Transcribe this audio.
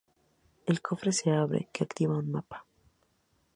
El cofre se abre, que activa un mapa.